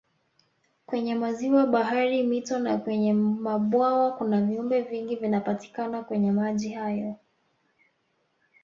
Kwenye maziwa bahari mito na kwenye mabwawa kuna viumbe vingi vinapatikana kwenye maji hayo